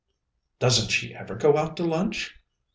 "Doesn't she ever go out to lunch?"